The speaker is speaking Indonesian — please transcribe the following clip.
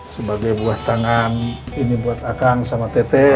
sebagai buah tangan ini buat akang sama tete